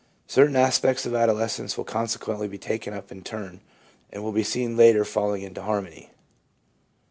Certain aspects of adolescence will consequently be taken up in turn, and will be seen later falling into harmony.